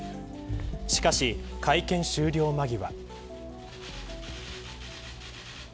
しかし、会見終了間際。